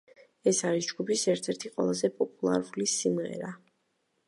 ეს არის ჯგუფის ერთ-ერთი ყველაზე პოპულარული სიმღერა.